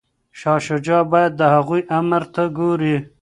شاه شجاع باید د هغوی امر ته ګوري.